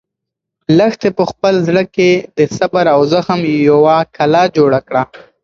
لښتې په خپل زړه کې د صبر او زغم یوه کلا جوړه کړه.